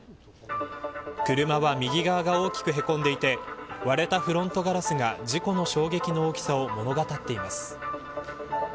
車は右側が大きくへこんでいて割れたフロントガラスが事故の衝撃の大きさを物語っています。